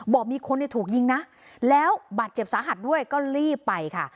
บอกมีคนถูกยิงนะแล้วบาดเจ็บสาหัสด้วยก็รีบไปค่ะ